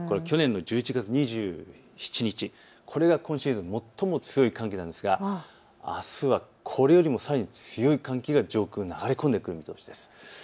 去年の１１月２７日、これが今シーズン最も強い寒気なんですが、あすはこれよりもさらに強い寒気が上空、流れ込んでくる見通しです。